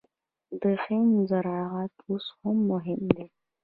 د هند زراعت اوس هم مهم دی.